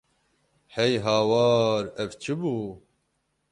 Hey hawar ev çi bû!